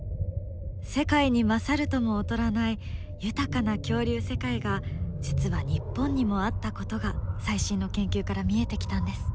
世界に勝るとも劣らない豊かな恐竜世界が実は日本にもあったことが最新の研究から見えてきたんです。